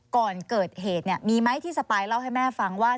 ก่อนเกิดเหตุเนี่ยมีไหมที่สปายเล่าให้แม่ฟังว่า